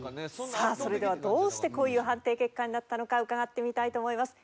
さあそれではどうしてこういう判定結果になったのか伺ってみたいと思います。